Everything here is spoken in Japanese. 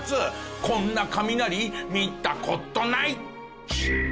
こんな雷見た事ない！